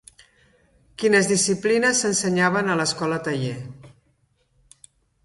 Quines disciplines s'ensenyaven a l'Escola Taller.